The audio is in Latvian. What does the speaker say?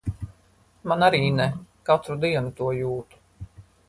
Man arī ne. Katru dienu to jūtu.